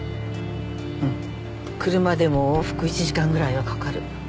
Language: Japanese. うん車でも往復１時間ぐらいはかかる。